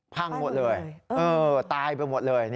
พังหมดเลยตายไปหมดเลย